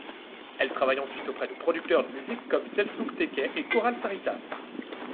Elle travaille ensuite auprès de producteurs de musique comme Selçuk Tekay et Koral Sarıtaş.